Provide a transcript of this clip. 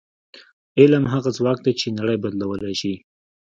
علم هغه ځواک دی چې نړۍ بدلولی شي.